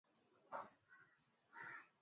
mara nyingi sana itakuwa ni rahisi